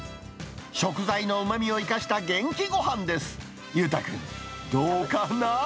食材のうまみを生かした元気ごはんです。